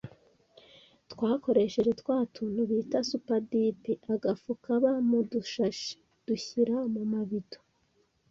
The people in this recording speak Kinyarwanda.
twakoresheje twa tuntu bita supadipe (agafu kaba mu dushashi) dushyira mu mabido